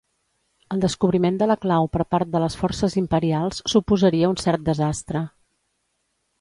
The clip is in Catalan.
El descobriment de la clau per part de les forces imperials suposaria un cert desastre.